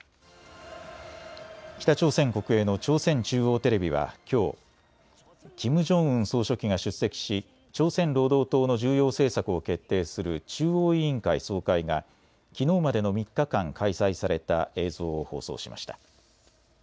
北朝鮮国営の朝鮮中央テレビはきょう、キム・ジョンウン総書記が出席し朝鮮労働党の重要政策を決定する中央委員会総会がきのうまでの３日間、開催された映像を放送しました。